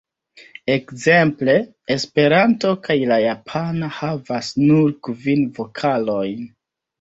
Ekzemple, Esperanto kaj la japana havas nur kvin vokalojn.